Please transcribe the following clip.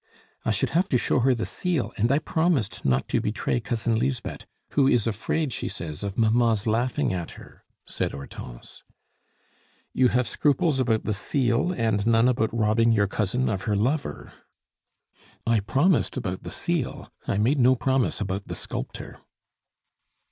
"I should have to show her the seal, and I promised not to betray Cousin Lisbeth, who is afraid, she says, of mamma's laughing at her," said Hortense. "You have scruples about the seal, and none about robbing your cousin of her lover." "I promised about the seal I made no promise about the sculptor."